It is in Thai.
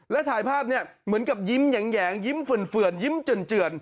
แล้วถ่ายภาพเนี่ยเหมือนกับยิ้มแหยงยิ้มเฝื่อนยิ้มเจือน